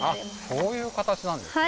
そういう形なんですね